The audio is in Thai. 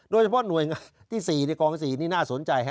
โดยเฉพาะหน่วยที่๔ในกอง๔นี่น่าสนใจ